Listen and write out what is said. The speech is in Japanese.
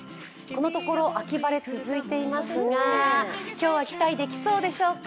このところ、秋晴れ続いていますが今日は期待できますでしょうか。